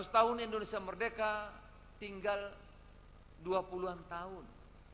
lima ratus tahun indonesia merdeka tinggal dua puluh an tahun